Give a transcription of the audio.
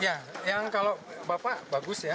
ya yang kalau bapak bagus ya